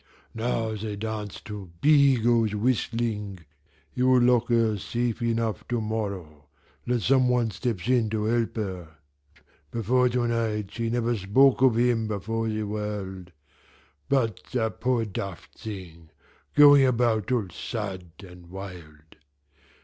Now they dance to Bigot's whistling; he will lock her safe enough to morrow, 'less some one steps in to help her. Before to night she never spoke of him before the world but a poor daft thing, going about all sad and wild.